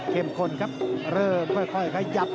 คนครับเริ่มค่อยขยับ